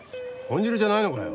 豚汁じゃないのかよ。